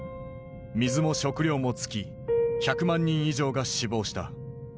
水も食料も尽き１００万人以上が死亡した。